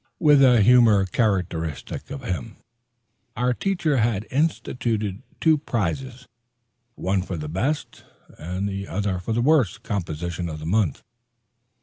With a humor characteristic of him, our teacher had instituted two prizes, one for the best and the other for the worst composition of the month.